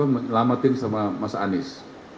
menyelamatkan sama mas anies